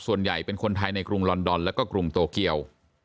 ส่วนใหญ่เป็นคนไทยในกรุงลอนดอนแล้วก็กรุงโตเกียว